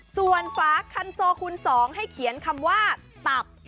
ส่วนฝาคันโซคูณ๒ให้เขียนคำว่าตับ